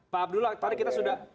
pak abdullah tadi kita sudah